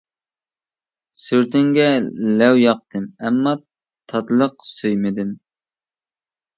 سۈرىتىڭگە لەۋ ياقتىم، ئەمما تاتلىق سۆيمىدىم.